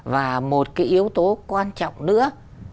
và một cái yếu tố quan trọng nữa